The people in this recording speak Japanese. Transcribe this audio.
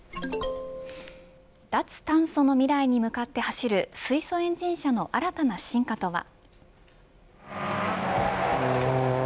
脱炭素の未来に向かって走る水素エンジン車の新たな進化とは。